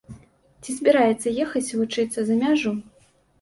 Ці збіраецца ехаць вучыцца за мяжу?